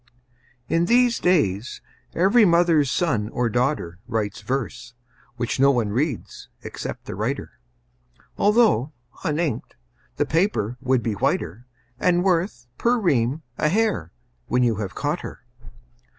IN these days, every mother's son or daughter Writes verse, which no one reads except the writer, Although, uninked, the paper would be whiter, And worth, per ream, a hare, when you have caught her.